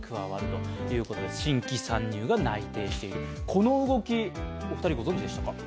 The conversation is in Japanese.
この動き、お二人ご存じでしたか？